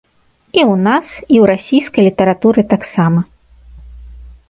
І ў нас, і ў расійскай літаратуры таксама.